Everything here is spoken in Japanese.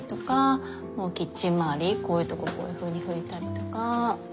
こういうとここういうふうに拭いたりとか。